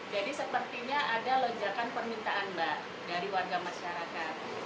jadi sepertinya ada lonjakan permintaan mbak dari warga masyarakat